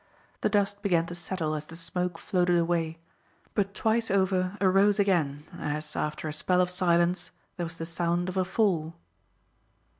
The dust began to settle as the smoke floated away, but twice over arose again as after a spell of silence there was the sound of a fall.